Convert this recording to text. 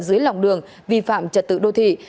dưới lòng đường vi phạm trật tự đô thị